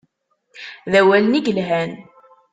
D awalen i yelhan.